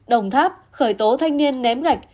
đồng tháp khởi tố thanh niên ném gạch